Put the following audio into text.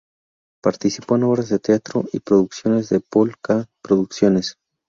Participó en obras de teatro y producciones de Pol-ka Producciones.